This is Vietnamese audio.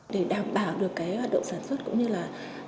để đảm bảo được cái độ sản xuất cũng như là